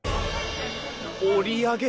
折り上げ